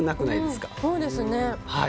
そうですね。